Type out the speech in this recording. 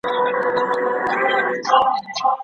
موږ کولای سو چي د نړۍ د پوهانو سره اړیکه ونیسو.